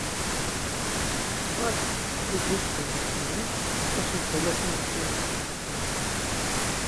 Mskva ti dutsxones doren, ǩoçiş dolokunu kodolokunes doren.